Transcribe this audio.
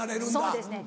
そうですね